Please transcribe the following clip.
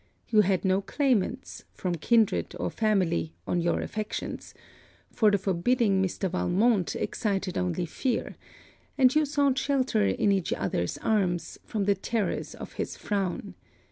You had no claimants, from kindred or family, on your affections: for the forbidding Mr. Valmont excited only fear; and you sought shelter in each other's arms, from the terrors of his frown.